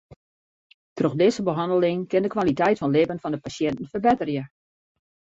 Troch dizze behanneling kin de kwaliteit fan libben fan de pasjinten ferbetterje.